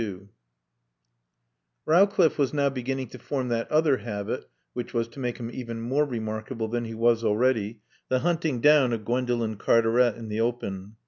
XXII Rowcliffe was now beginning to form that other habit (which was to make him even more remarkable than he was already), the hunting down of Gwendolen Cartaret in the open.